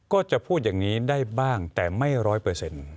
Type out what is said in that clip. ก็จะพูดอย่างนี้ได้บ้างแต่ไม่ร้อยเปอร์เซ็นต์